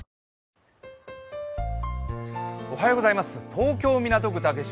東京・港区竹芝